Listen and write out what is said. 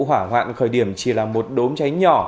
hỏa hoạn khởi điểm chỉ là một đốm cháy nhỏ